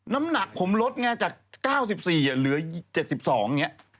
น้ำหนักผมลดไงจาก๙๔เหลือ๗๒อย่างนี้